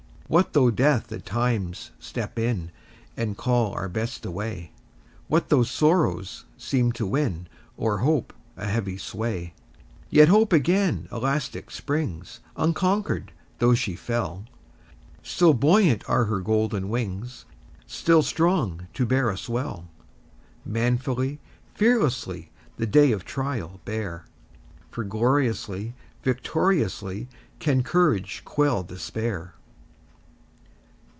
What though Death at times steps in, And calls our Best away? What though sorrow seems to win, O'er hope, a heavy sway? Yet Hope again elastic springs, Unconquered, though she fell; Still buoyant are her golden wings, Still strong to bear us well. Manfully, fearlessly, The day of trial bear, For gloriously, victoriously, Can courage quell despair!